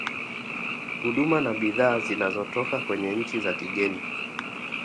huduma na bidhaa zinazotoka kwenye nchi za kigeni